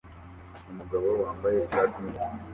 Umugabo wambaye ishati nini